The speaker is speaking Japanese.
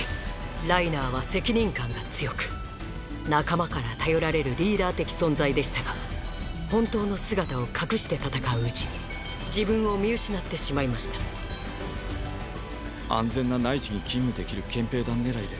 ライナーは責任感が強く仲間から頼られるリーダー的存在でしたが本当の姿を隠して戦ううちに自分を見失ってしまいました安全な内地に勤務できる憲兵団狙いで兵士を選んだ。